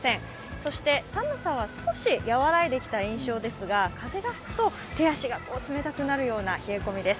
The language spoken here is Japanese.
そして寒さは少し和らいできた印象ですが風が吹くと手足が冷たくなるような冷え込みです。